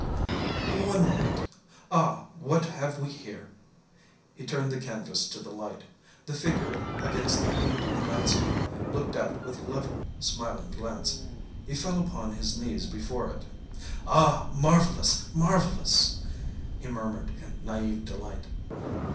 "One moment. Ah, what have we here?" He turned the canvas to the light. The figure against the quaint landscape looked out with level, smiling glance. He fell upon his knees before it. "Ah, marvellous, marvellous!" he murmured in naïve delight.